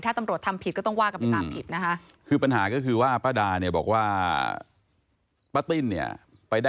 ถ้าตำรวจทำผิดก็ต้องว่ากับผิด